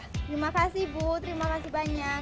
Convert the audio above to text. terima kasih bu terima kasih banyak